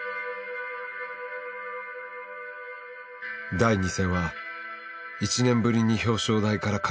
第２戦は１年ぶりに表彰台から陥落。